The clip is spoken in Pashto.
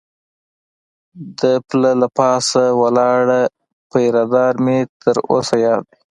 د پله له پاسه ولاړ پیره دار مې تر اوسه یاد دی.